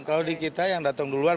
kalau di kita yang datang duluan